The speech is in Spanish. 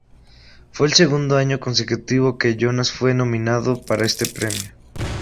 Fue el segundo año consecutivo que Jonas fue nominado para ese premio.